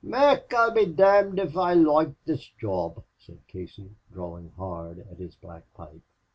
"Mac, I'll be domned if I loike this job," said Casey, drawing hard at his black pipe.